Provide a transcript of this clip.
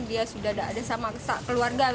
dia sudah ada sama keluarga